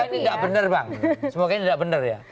ini tidak benar bang semoga ini tidak benar ya